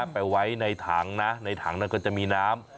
ไปไว้ในถังนะในถังนั้นก็จะมีน้ำ